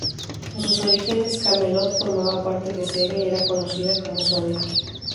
En sus orígenes, Camelot formaba parte de Sega y era conocida como Sonic!